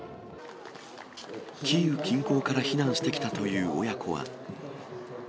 キーウ近郊から避難してきたという親子は。